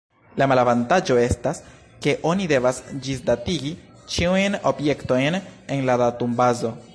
La malavantaĝo estas, ke oni devas ĝisdatigi ĉiujn objektojn en la datumbazo.